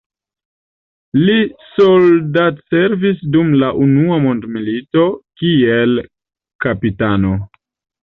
Li soldatservis dum la unua mondmilito kiel kapitano.